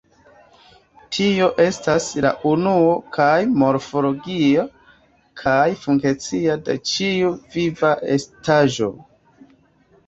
Tio estas, la unuo kaj morfologia kaj funkcia de ĉiu viva estaĵo.